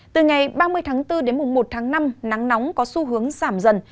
từ ngày ba mươi tháng bốn đến mùng một tháng năm nắng nóng có xu hướng giảm dần